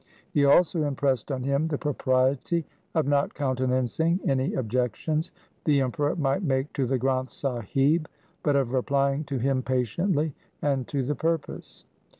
He also impressed on him the pro priety of not countenancing any objections the Emperor might make to the Granth Sahib, but of replying to him patiently and to the purpose.